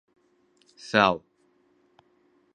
เศร้า.